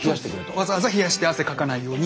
わざわざ冷やして汗かかないように。